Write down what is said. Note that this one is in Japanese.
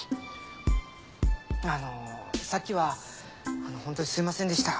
あのさっきはほんとにすみませんでした。